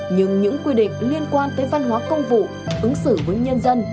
nhưng những quy định liên quan tới văn hóa công vụ ứng xử với nhân dân